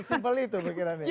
simpel itu pikirannya